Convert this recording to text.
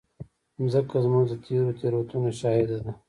مځکه زموږ د تېرو تېروتنو شاهد ده.